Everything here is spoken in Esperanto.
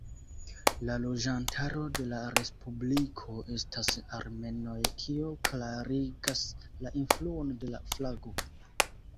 La loĝantaro de la respubliko estas armenoj kio klarigas la influon de la flago.